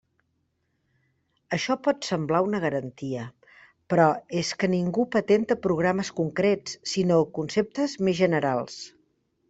Això pot semblar una garantia, però és que ningú patenta programes concrets, sinó conceptes més generals.